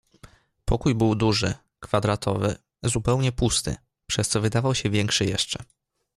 "Pokój był duży, kwadratowy, zupełnie pusty, przez co wydawał się większy jeszcze."